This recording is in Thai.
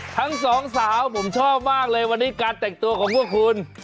ทั้งสองสาวผมชอบมากเลยวันนี้การแต่งตัวของพวกคุณ